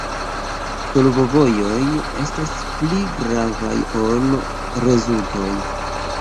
Solvovojoj estas pli gravaj ol rezultoj.